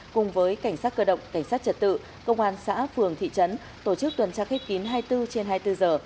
cùng với cảnh sát cơ động cảnh sát trật tự công an xã phường thị trấn tổ chức tuần tra khép kín hai mươi bốn trên hai mươi bốn giờ